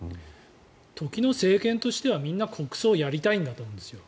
時の政権としてはみんな国葬やりたいんだと思うんですよ